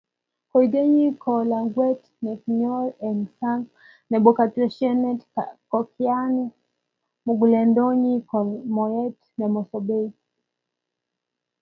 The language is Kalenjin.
Koigeny ko lakwet nekinyor eng sang nebo katunisiet kokiyai muguleldonyi konyor moet nemosobei